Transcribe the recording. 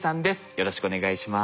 よろしくお願いします。